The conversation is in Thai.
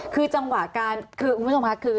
คือจังหวะการคือคุณผู้ชมค่ะคือ